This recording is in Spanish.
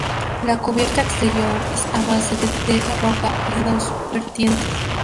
La cubierta exterior es a base de teja roja y a dos vertientes.